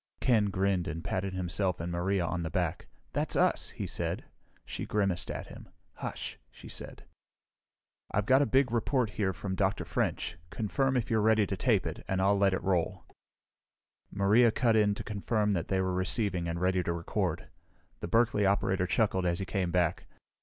Ken grinned and patted himself and Maria on the back. "That's us," he said. She grimaced at him. "Hush!" she said. "I've got a big report here from Dr. French. Confirm if you're ready to tape it, and I'll let it roll." Maria cut in to confirm that they were receiving and ready to record. The Berkeley operator chuckled as he came back.